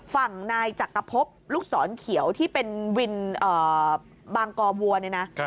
ฝั่งนายจักรพบลูกศรเขียวที่เป็นวินบางกอวัวเนี่ยนะ